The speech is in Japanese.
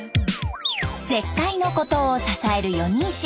絶海の孤島を支える四人衆。